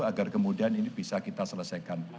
agar kemudian ini bisa kita selesaikan